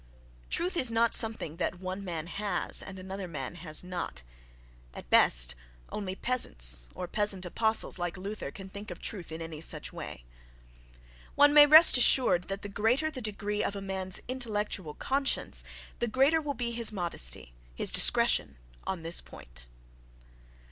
Truth is not something that one man has and another man has not: at best, only peasants, or peasant apostles like Luther, can think of truth in any such way. One may rest assured that the greater the degree of a man's intellectual conscience the greater will be his modesty, his discretion, on this point.